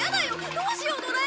どうしようドラえもん！